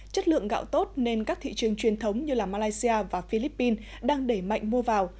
chất lượng gạo tốt nên các thị trường truyền thống như malaysia và philippines đang đẩy mạnh mua vào